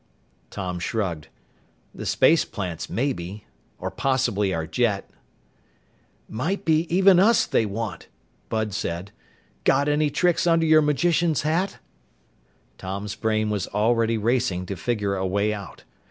Tom shrugged. "The space plants maybe or possibly our jet." "Might even be us they want," Bud said. "Got any tricks under your magician's hat?" Tom's brain was already racing to figure a way out.